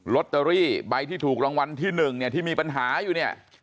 ลอตเตอรี่ใบที่ถูกรางวัลที่๑เนี่ยที่มีปัญหาอยู่เนี่ย